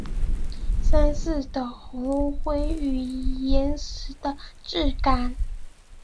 山势的雄浑与岩层的质感